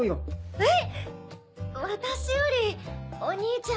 えっ。